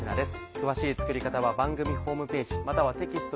詳しい作り方は番組ホームページまたはテキスト